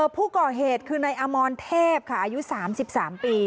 ผู้ก่อเหตุคือนายอมรเทพค่ะอายุ๓๓ปี